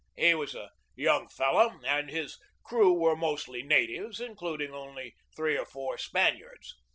He was a young fellow, and his crew were mostly natives, including only three or four Spaniards.